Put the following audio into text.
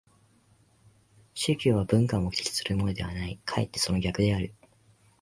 宗教は文化を目的とするものではない、かえってその逆である。